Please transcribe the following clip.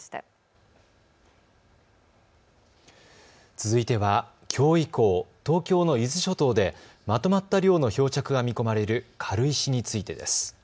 続いては、きょう以降、東京の伊豆諸島でまとまった量の漂着が見込まれる軽石についてです。